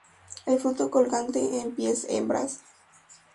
El fruto colgante en pies hembras.